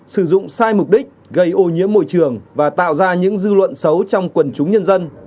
sử dụng sai mục đích gây ô nhiễm môi trường và tạo ra những dư luận xấu trong quần chúng nhân dân